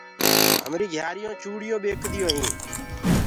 همري گھيآريونٚ چوڙيونٚ ٻيڪديونٚ هينٚ